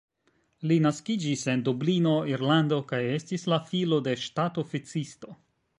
Li naskiĝis en Dublino, Irlando kaj estis la filo de ŝtat-oficisto.